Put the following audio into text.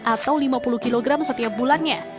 atau lima puluh kg setiap bulannya